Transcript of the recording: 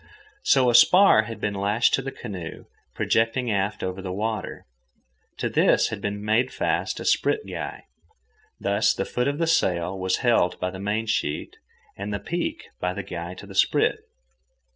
So a spar had been lashed to the canoe, projecting aft over the water. To this had been made fast a sprit guy: thus, the foot of the sail was held by the main sheet, and the peak by the guy to the sprit.